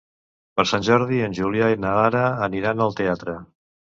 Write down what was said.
Per Sant Jordi en Julià i na Lara aniran al teatre.